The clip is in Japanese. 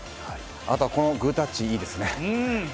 あとはグータッチ、いいですね。